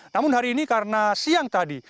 namun hari ini karena siang tadi